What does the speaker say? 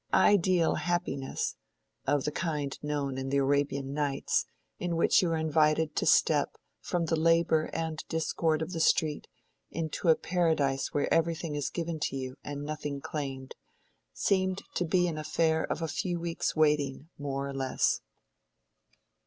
Ideal happiness (of the kind known in the Arabian Nights, in which you are invited to step from the labor and discord of the street into a paradise where everything is given to you and nothing claimed) seemed to be an affair of a few weeks' waiting, more or less.